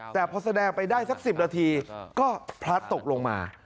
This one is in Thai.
แต่พอแสดงไปได้สัก๑๐นาทีก็พลัดตกลงมา